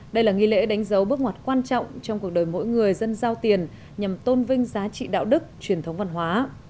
đây là nghi lễ đánh dấu bước ngoặt quan trọng trong cuộc đời mỗi người dân giao tiền nhằm tôn vinh giá trị đạo đức truyền thống văn hóa